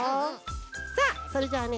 さあそれじゃあね